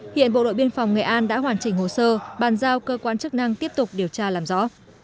hiện bộ đội biên phòng nghệ an đã hoàn chỉnh hồ sơ bàn giao cơ quan chức năng tiếp tục điều tra làm rõ